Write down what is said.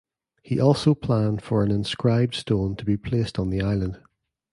He also planned for an inscribed stone to be placed on the island.